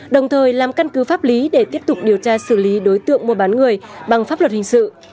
đồng thời làm căn cứ pháp lý để tiếp tục điều tra xử lý đối tượng mua bán người bằng pháp luật hình sự